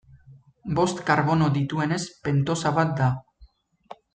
Bost karbono dituenez pentosa bat da.